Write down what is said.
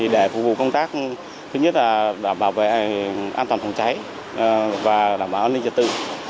để phục vụ công tác thứ nhất là đảm bảo về an toàn phòng cháy và đảm bảo an ninh trật tự